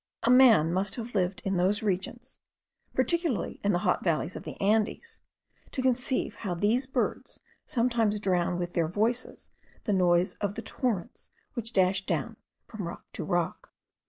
A man must have lived in those regions, particularly in the hot valleys of the Andes, to conceive how these birds sometimes drown with their voices the noise of the torrents, which dash down from rock to rock.